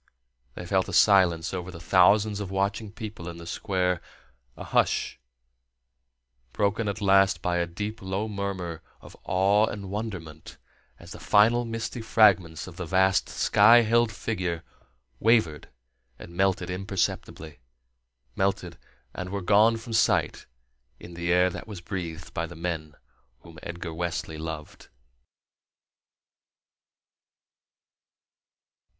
They felt a silence over the thousands of watching people in the Square, a hush broken at last by a deep, low murmur of awe and wonderment as the final misty fragments of the vast sky held figure wavered and melted imperceptibly melted and were gone from sight in the air that was breathed by the men whom Edgar Wesley loved.